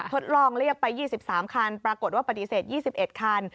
ทดลองเรียกไป๒๓คันปรากฏว่าปฏิเสธ๒๑คัน